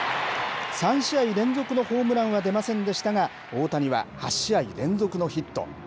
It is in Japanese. ３試合連続のホームランは出ませんでしたが、大谷は８試合連続のヒット。